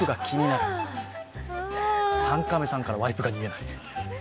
３カメさんからワイプが見えない。